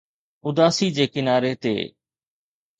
اداسي جي ڪناري تي